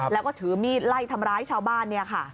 แล้วก็ถือมีดไล่ทำร้ายชาวบ้านเนี่ยค่ะ